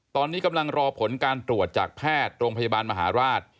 ตอนนี้กำลังรอผลการตรวจจากแพทย์โรงพยาบาลมหาราช